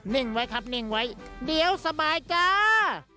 ่งไว้ครับนิ่งไว้เดี๋ยวสบายจ้า